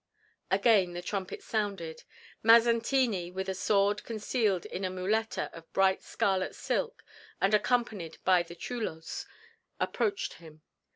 Again the trumpets sounded. Mazzantini, with a sword concealed in a muleta of bright scarlet silk, and accompanied by the chulos, approached him.